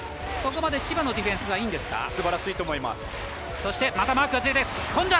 ここまで千葉のディフェンスすばらしいと思います。